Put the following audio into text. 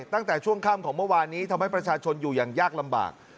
ตั้งแต่ช่วงค่ำของเมื่อวานนี้ทำให้ประชาชนอยู่อย่างยากลำบาก